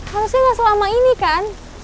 harusnya nggak selama ini kan